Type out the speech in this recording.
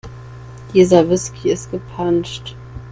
Dieser Whisky ist gepanscht.